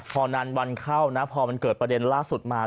พอนานวันเข้านะพอมันเกิดประเด็นล่าสุดมา